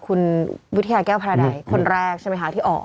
คุณวิทยาแก้วพระราดัยคนแรกใช่ไหมคะที่ออก